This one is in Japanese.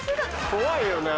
怖いよな。